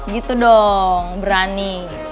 gitu dong berani